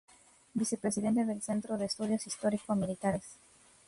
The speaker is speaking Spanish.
Vicepresidente del Centro de Estudios Histórico-Militares.